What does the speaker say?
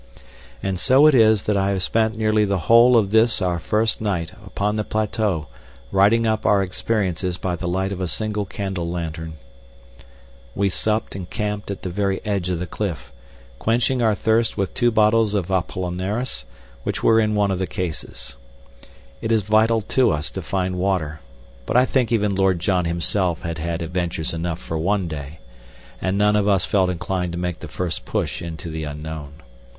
And so it is that I have spent nearly the whole of this our first night upon the plateau writing up our experiences by the light of a single candle lantern. We supped and camped at the very edge of the cliff, quenching our thirst with two bottles of Apollinaris which were in one of the cases. It is vital to us to find water, but I think even Lord John himself had had adventures enough for one day, and none of us felt inclined to make the first push into the unknown.